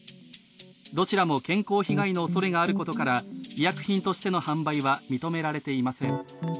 どちらも健康被害のおそれがあることから医薬品としての販売は認められていません。